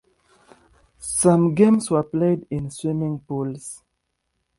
Some games were played in swimming pools.